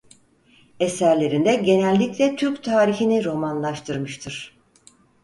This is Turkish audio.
Eserlerinde genellikle Türk tarihini romanlaştırmıştır.